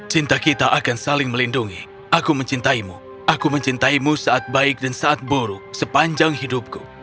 cinta kita akan saling melindungi aku mencintaimu aku mencintaimu saat baik dan saat buruk sepanjang hidupku